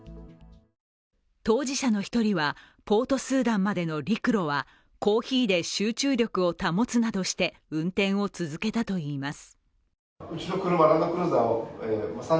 当事者の１人はポートスーダンまでの陸路はコーヒーで集中力を保つなどして運転を続けたといいます。